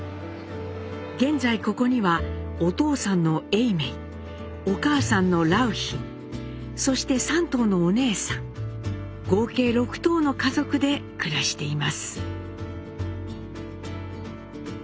現在ここにはお父さんの永明お母さんの良浜そして３頭のお姉さん合計６頭の家族で暮らしています。